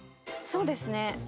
そうですね。